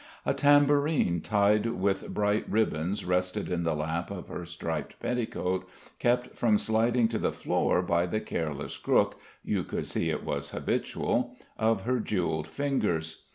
A tambourine tied with bright ribbons rested in the lap of her striped petticoat, kept from sliding to the floor by the careless crook you could see it was habitual of her jewelled fingers.